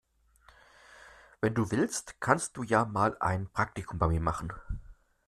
Wenn du willst, kannst du ja mal ein Praktikum bei mir machen.